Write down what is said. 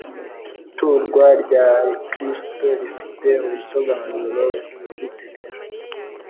Iturwa rya Kristo rifite ubusobanuro bwimbitse cyane.